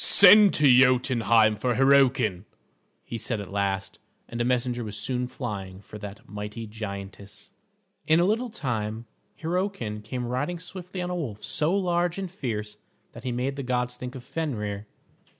"Send to Jotunheim for Hyrroken," he said at last; and a messenger was soon flying for that mighty giantess. In a little time, Hyrroken came riding swiftly on a wolf so large and fierce that he made the gods think of Fenrer.